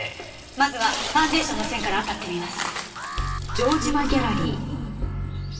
まずはファンデーションの線から当たってみます。